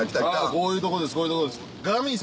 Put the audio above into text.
こういうとこです。